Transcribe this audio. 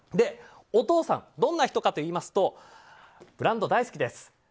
お父さんどんな人かといいますとブランド大好きです。